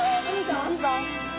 １番。